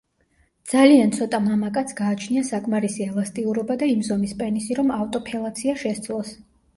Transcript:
ძალიან ცოტა მამაკაცს გააჩნია საკმარისი ელასტიურობა და იმ ზომის პენისი, რომ ავტოფელაცია შესძლოს.